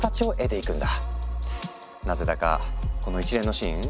なぜだかこの一連のシーン